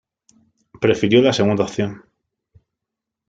Prefirió la segunda opción.